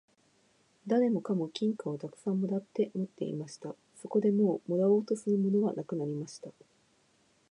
誰もかも金貨をたくさん貰って持っていました。そこでもう貰おうとするものはなくなりました。